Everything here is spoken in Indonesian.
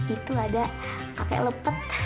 itu ada kakek lepet